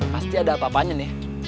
pasti ada apa apanya nih